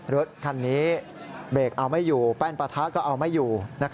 รถคันนี้เบรกเอาไม่อยู่แป้นปะทะก็เอาไม่อยู่